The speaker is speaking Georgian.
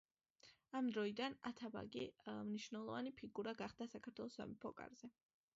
ამ დროიდან ათაბაგი მნიშვნელოვანი ფიგურა გახდა საქართველოს სამეფო კარზე.